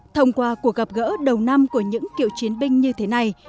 thông qua cuộc gặp gỡ đầu năm của những cựu chiến binh như thế này